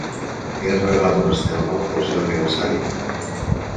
Li han regalat un estel nou per al seu aniversari.